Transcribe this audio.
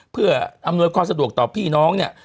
เพื่ออำนวยความสะดวกต่อพี่น้องเนี่ย